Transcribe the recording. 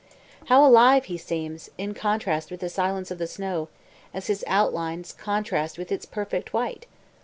How alive he seems, in contrast with the silence of the snow, as his outlines contrast with its perfect white!